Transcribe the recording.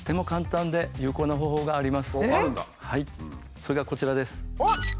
それがこちらです。